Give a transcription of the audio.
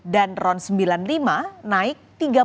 dan ron sembilan puluh lima naik tiga puluh dua enam belas